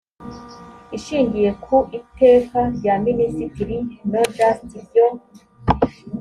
ishingiye ku iteka rya minisitiri no just ryo